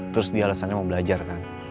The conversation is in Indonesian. terus dia alasannya mau belajar kan